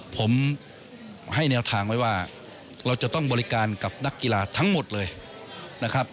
ผมให้แนวทางไว้ว่าเราจะต้องบริการกับนักกีฬาทั้งหมดเลยนะครับ